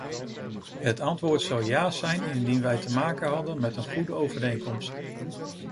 Het antwoord zou ja zijn indien wij te maken hadden met een goede overeenkomst.